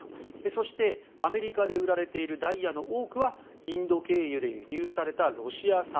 そしてアメリカで売られているダイヤの多くはインド経由で輸入されたロシア産。